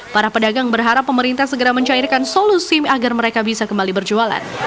para pedagang berharap pemerintah segera mencairkan solusi agar mereka bisa kembali berjualan